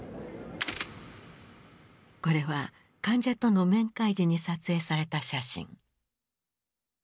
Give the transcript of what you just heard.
これは患者との面会時に撮影された写真。